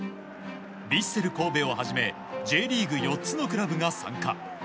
ヴィッセル神戸をはじめＪリーグ４つのクラブが参加。